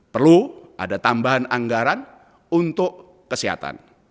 perlu ada tambahan anggaran untuk kesehatan